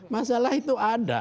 masalah itu ada